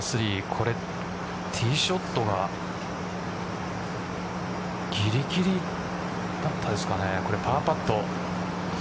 これ、ティーショットがぎりぎりだったんですかねパーパット。